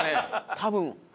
多分。